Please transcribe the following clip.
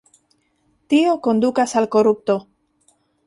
Tio kondukas al korupto.